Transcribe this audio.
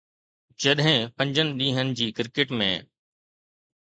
جڏهن پنجن ڏينهن جي ڪرڪيٽ ۾